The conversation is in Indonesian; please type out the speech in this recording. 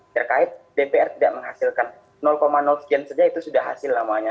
terkait dpr tidak menghasilkan sekian saja itu sudah hasil namanya